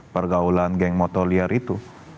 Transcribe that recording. pergaulan geng motoliar itu